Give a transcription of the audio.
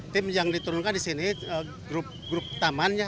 tim yang diturunkan di sini grup tamannya